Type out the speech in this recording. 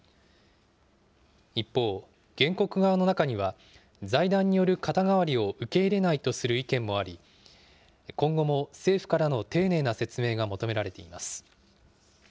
一方、原告側の中には財団による肩代わりを受け入れないとする意見もあり、今後も政府からの丁寧な説明が求められています。